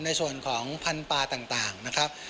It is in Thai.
ในส่วนของพันธุ์ปลาต่างนะครับ